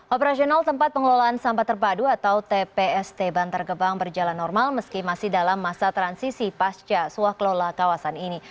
operasional tempat pengelolaan sampah terpadu atau tpst bantar gebang berjalan normal meski masih dalam masa transisi pasca suah kelola kawasan ini